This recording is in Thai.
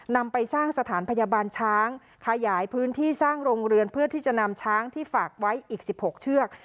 นำไปสร้างสถานพยาบาลช้างขยายพื้นที่สร้างโรงเรือนเพื่อที่จะนำช้างที่ฝากไว้อีก๑๖เชือก